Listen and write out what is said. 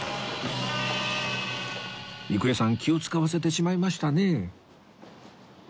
郁恵さん気を使わせてしまいましたね